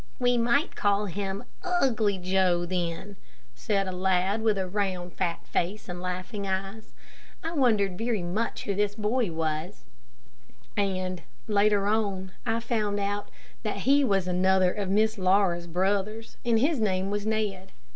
"We might call him 'Ugly Joe' then," said a lad with a round, fat face, and laughing eyes. I wondered very much who this boy was, and, later on, I found out that he was another of Miss Laura's brothers, and his name was Ned.